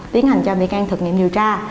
tiến hành cho bị can thực nghiệm điều tra